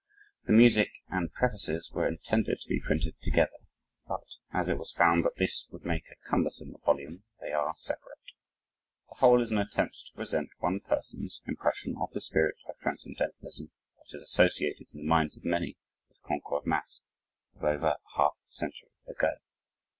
The music and prefaces were intended to be printed together, but as it was found that this would make a cumbersome volume they are separate. The whole is an attempt to present [one person's] impression of the spirit of transcendentalism that is associated in the minds of many with Concord, Mass., of over a half century ago.